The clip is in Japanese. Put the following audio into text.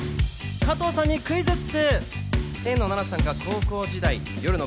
加藤さんにクイズッス！